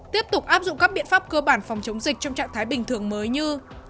tiếp tục áp dụng các biện pháp cơ bản phòng chống dịch trong trạng thái bình thường mới như